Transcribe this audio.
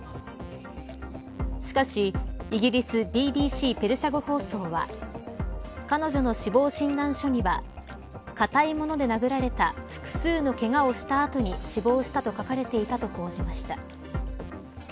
しかし、イギリスＢＢＣペルシャ語放送は彼女の死亡診断書には硬いもので殴られた複数のけがをした後に死亡したと書かれていたと報じました。